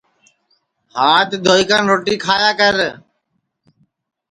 ہات دھوئی کن روٹی کھایا کر